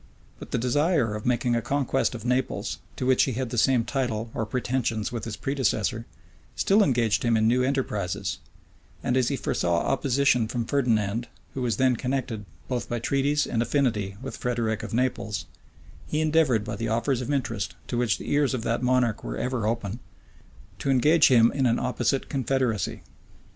But the desire of making a conquest of Naples, to which he had the same title or pretensions with his predecessor, still engaged him in new enterprises: and· as he foresaw opposition from Ferdinand, who was connected both by treaties and affinity with Frederick of Naples, he endeavored by the offers of interest, to which the ears of that monarch were ever open, to engage him in an opposite confederacy.